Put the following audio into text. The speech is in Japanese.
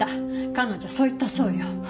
彼女そう言ったそうよ。